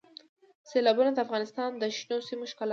سیلابونه د افغانستان د شنو سیمو ښکلا ده.